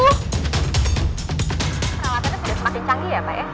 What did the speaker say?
perawatan itu sudah semakin canggih ya pak